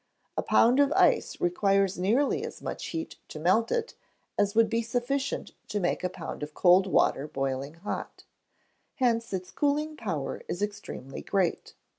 A pound of ice requires nearly as much heat to melt it as would be sufficient to make a pound of cold water boiling hot; hence its cooling power is extremely great.